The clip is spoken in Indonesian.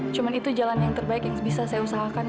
cuma itu jalan yang terbaik yang bisa saya usahakan